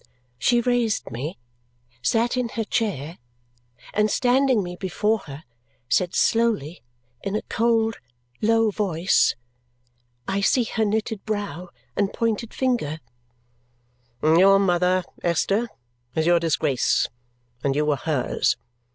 She raised me, sat in her chair, and standing me before her, said slowly in a cold, low voice I see her knitted brow and pointed finger "Your mother, Esther, is your disgrace, and you were hers.